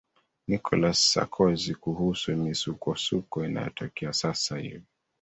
nicholas sarkozy kuhusu misukosuko inayotokea sasa hivi